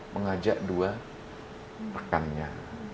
mengajak dua rekannya